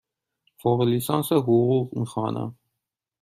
فوق لیسانس حقوق می خوانم.